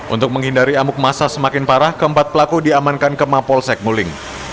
untuk menghindari amuk masa semakin parah keempat pelaku diamankan ke mapolsek nguling